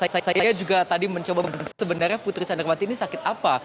saya juga tadi mencoba sebenarnya putri candrawati ini sakit apa